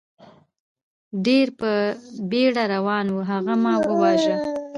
ډېر په بېړه روان و، هغه ما و واژه.